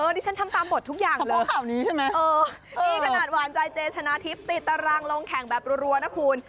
นี่ฉันทำตามบททุกอย่างเลยเออนี่ขนาดหวานใจเจชนะทิพย์ติดตารางลงแข่งแบบรัวนะคุณ